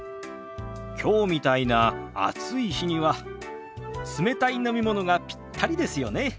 きょうみたいな暑い日には冷たい飲み物がピッタリですよね。